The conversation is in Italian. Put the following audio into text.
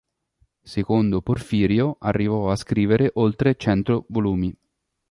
Secondo Porfirio arrivò a scrivere oltre cento volumi.